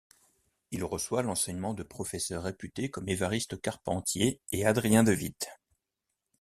Il reçoit l'enseignement de professeurs réputés comme Évariste Carpentier et Adrien de Witte.